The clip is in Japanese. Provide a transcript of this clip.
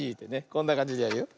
こんなかんじでやるよ。